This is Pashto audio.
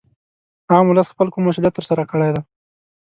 عام ولس خپل کوم مسولیت تر سره کړی دی